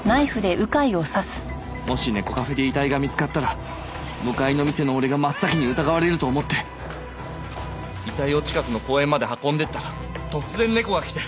もし猫カフェで遺体が見つかったら向かいの店の俺が真っ先に疑われると思って遺体を近くの公園まで運んでいったら突然猫が来て。